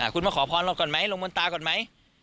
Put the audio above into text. คุณมาขอพรเราก่อนไหมลงบนตาก่อนไหม